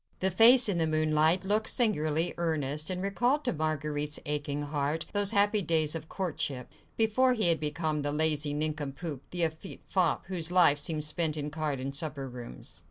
The face in the moonlight looked singularly earnest, and recalled to Marguerite's aching heart those happy days of courtship, before he had become the lazy nincompoop, the effete fop, whose life seemed spent in card and supper rooms.